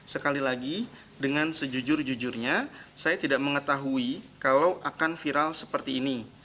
sekali lagi dengan sejujur jujurnya saya tidak mengetahui kalau akan viral seperti ini